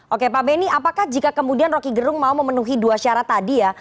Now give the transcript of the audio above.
oke pak benny apakah jika kemudian roky gerung mau memenuhi dua syarat tadi ya